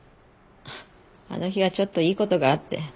あの日はちょっといい事があって。